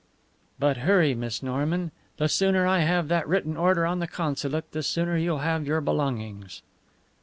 "But hurry, Miss Norman. The sooner I have that written order on the consulate the sooner you'll have your belongings."